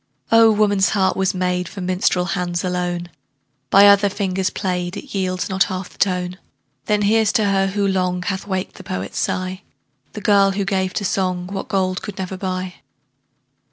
Oh! woman's heart was made For minstrel hands alone; By other fingers played, It yields not half the tone. Then here's to her, who long Hath waked the poet's sigh, The girl who gave to song What gold could never buy.